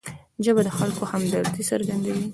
ژبه د خلکو همدردي څرګندوي